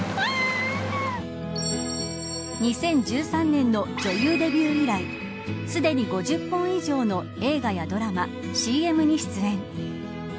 ２０１３年の女優デビュー以来すでに５０本以上の映画やドラマＣＭに出演。